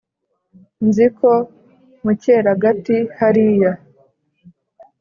Nzi ko mu cyeragati hariya,